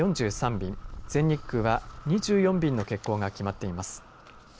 便全日空は２４便の欠航が決まっています。